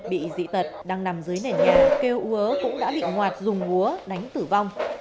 bị dị tật đang nằm dưới nền nhà kêu uớ cũng đã bị ngoạt dùng uớ đánh tử vong